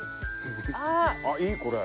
あっいいこれ。